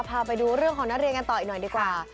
พาไปดูเรื่องของนักเรียนกันต่ออีกหน่อยดีกว่า